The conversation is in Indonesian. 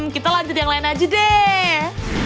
kita lanjut yang lain aja deh